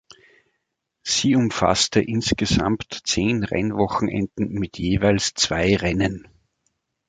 Sie umfasste insgesamt zehn Rennwochenenden mit jeweils zwei Rennen.